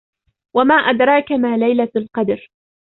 وَمَا أَدْرَاكَ مَا لَيْلَةُ الْقَدْرِ